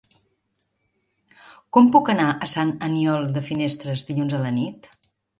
Com puc anar a Sant Aniol de Finestres dilluns a la nit?